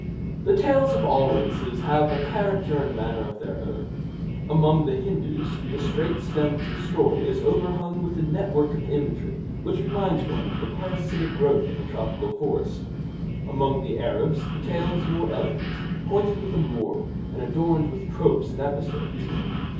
The tales of all races have a character and manner of their own. Among the Hindoos the straight stem of the story is overhung with a network of imagery which reminds one of the parasitic growth of a tropical forest. Among the Arabs the tale is more elegant, pointed with a moral, and adorned with tropes and episodes.